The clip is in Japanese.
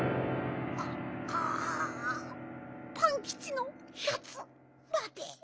ああパンキチのやつまで。